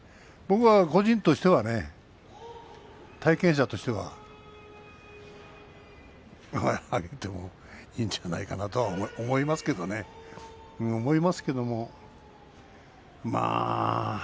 僕は個人としてはね体験者としては上げてもいいんじゃないかなと思いますけれどね思いますけれどまあ